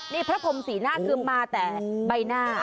นี่พระพรมสีหน้าคือมาแต่ใบหน้า